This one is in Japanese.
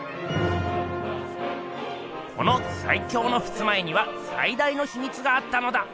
このさい強のふすま絵にはさい大のひみつがあったのだ！